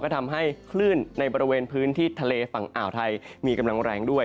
ทำให้คลื่นในบริเวณพื้นที่ทะเลฝั่งอ่าวไทยมีกำลังแรงด้วย